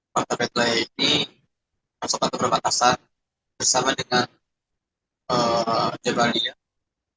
kota betlai ini pasokan keberbatasan bersama dengan jawa barat